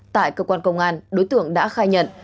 tại cơ quan công an đối tượng đã khai nhận